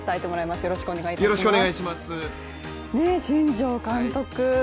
新庄監督